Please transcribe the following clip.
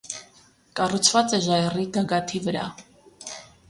Կառուցված է ժայռի գագաթի վրա։